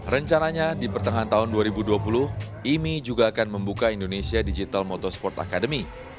rencananya di pertengahan tahun dua ribu dua puluh imi juga akan membuka indonesia digital motorsport academy